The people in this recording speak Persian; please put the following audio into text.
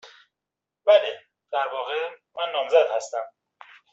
بله. در واقع، من نامزد هستم.